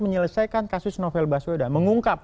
menyelesaikan kasus novel baswedan mengungkap